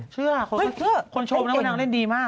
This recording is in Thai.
เชื่อคนชอบนางเล่นดีมาก